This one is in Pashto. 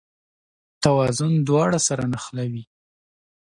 توازن دواړه سره نښلوي.